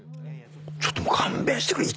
ちょっと勘弁してくれ！